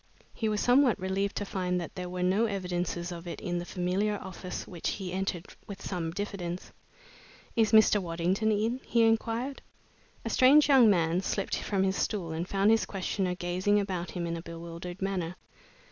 He was somewhat relieved to find that there were no evidences of it in the familiar office which he entered with some diffidence. "Is Mr. Waddington in?" he inquired. A strange young man slipped from his stool and found his questioner gazing about him in a bewildered manner.